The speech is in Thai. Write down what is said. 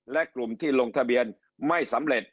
และกลุ่มที่ลงทะเบียนไม่สำเร็จ